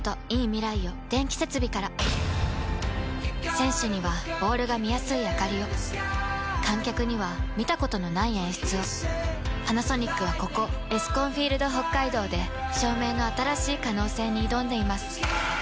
選手にはボールが見やすいあかりを観客には見たことのない演出をパナソニックはここエスコンフィールドＨＯＫＫＡＩＤＯで照明の新しい可能性に挑んでいます